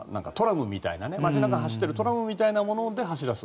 街中を走っているトラムみたいなもので走らす。